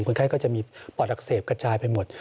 คนไข้ก็จะมีปอดอักเสบกระจายไปหมด